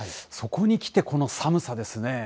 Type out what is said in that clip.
そこにきてこの寒さですね。